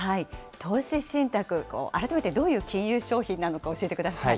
投資信託、改めてどういう金融商品なのか、教えてください。